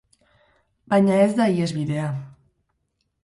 Baina ez da ihesbidea.